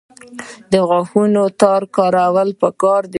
د غاښونو تار کارول پکار دي